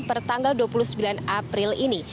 per tanggal dua puluh sembilan april ini